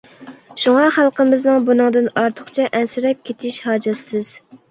شۇڭا خەلقىمىزنىڭ بۇنىڭدىن ئارتۇقچە ئەنسىرەپ كېتىش ھاجەتسىز.